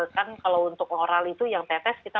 kan kalau untuk moral itu yang tetes kita